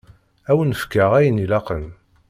Ad wen-fkeɣ ayen ilaqen.